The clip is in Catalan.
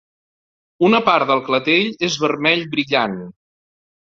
Una part del clatell és vermell brillant.